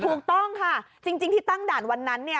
ถูกต้องค่ะจริงที่ตั้งด่านวันนั้นเนี่ย